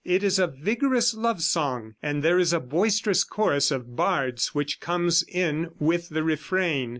It is a vigorous love song, and there is a boisterous chorus of bards which comes in with the refrain.